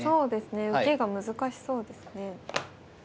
受けが難しそうですね。